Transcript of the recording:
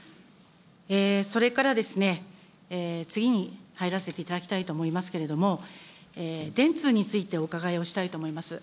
それからですね、次に入らせていただきたいと思いますけれども、電通についてお伺いをしたいと思います。